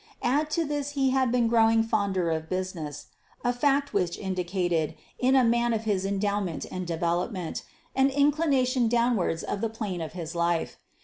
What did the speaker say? Add to this that he had been growing fonder of business, a fact which indicated, in a man of his endowment and development, an inclination downwards of the plane of his life.